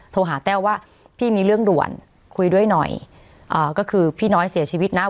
โทรหาแต้วว่าพี่มีเรื่องด่วนคุยด้วยหน่อยเอ่อก็คือพี่น้อยเสียชีวิตนะ